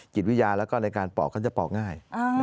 จิตวิญญาณแล้วก็ในการปอกเขาจะปอกง่าย